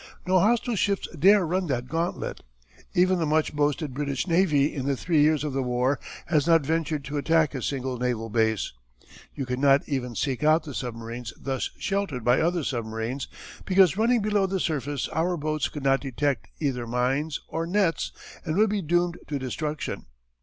No hostile ships dare run that gauntlet. Even the much boasted British navy in the three years of the war has not ventured to attack a single naval base. You could not even seek out the submarines thus sheltered by other submarines because running below the surface our boats could not detect either mines or nets and would be doomed to destruction.